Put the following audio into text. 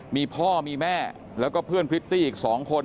มีพ่อมีแม่แล้วก็เพื่อนพริตตี้อีก๒คน